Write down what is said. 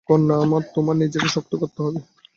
কন্যা আমার, তোমার নিজেকে শক্ত করতে হবে।